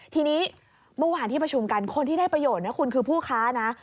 ทีนี้เมื่อวานที่ประชุมกันคนที่ได้ประโยชน์นะคุณคือผู้ค้านะ